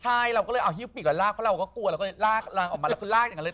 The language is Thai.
ใช่เราก็เลยเอาฮิ้วปีกมาลากเพราะเราก็กลัวเราก็เลยลากรังออกมาแล้วก็ลากอย่างนั้นเลย